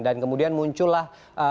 dan kemudian muncullah